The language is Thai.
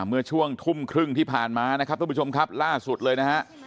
เมื่อยานทุ่มครึ่งที่ผ่านมานะครับล่าสุดเลยนะฮะ